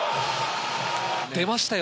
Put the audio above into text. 出ましたよ